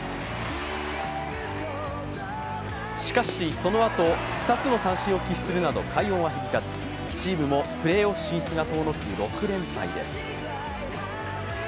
しかしそのあと、２つの三振を喫するなど快音は響かずチームもプレーオフ進出が遠のく６連敗です。